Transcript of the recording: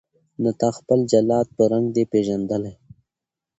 نه تا خپل جلاد په رنګ دی پیژندلی